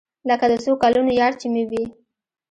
لکه د څو کلونو يار چې مې وي.